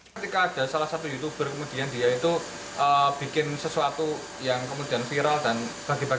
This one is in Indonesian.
ketika ada salah satu youtuber kemudian dia itu bikin sesuatu yang kemudian viral dan bagi bagi